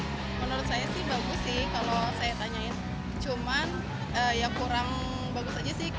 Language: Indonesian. menurut saya sih bagus sih kalau saya tanyain cuman ya kurang bagus aja sih